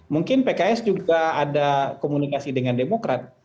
mungkin pks juga ada komunikasi dengan demokrat